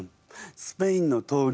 スペインの闘牛